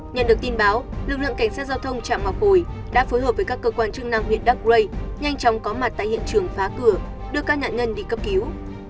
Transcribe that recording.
nhận được tin báo lực lượng cảnh sát giao thông chạm ngọc hồi đã phối hợp với các cơ quan chức năng huyện đắk rây nhanh chóng có mặt tại hiện trường phá cửa đưa các nạn nhân đi cấp cứu